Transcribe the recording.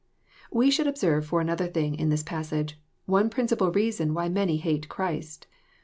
We should observe, for another thing, in this passage, one principal reason why many hate Christ.